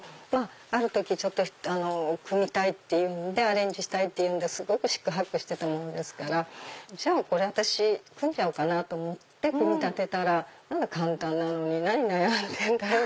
ある時「組みたいアレンジしたい」っていうんですごく四苦八苦してたものですからこれ私組んじゃおうと思って組み立てたら簡単なのに何悩んでんだろう？